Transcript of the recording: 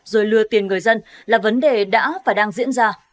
rồi lừa tiền người dân là vấn đề đã và đang diễn ra